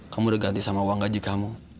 kamu udah ganti sama uang gaji kamu